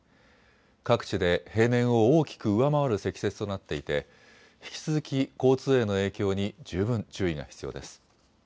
各地で平年を大きく上回る積雪となっていて引き続き交通への影響に十分注意が必要です。